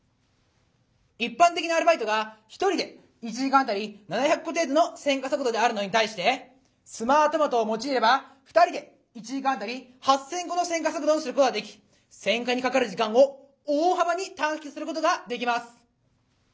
一般的なアルバイトが１人で１時間当たり７００個程度の選果速度であるのに対して「スマートマト」を用いれば２人で１時間当たり８，０００個の選果速度にすることができ選果にかかる時間を大幅に短縮することができます。